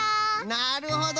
なるほど！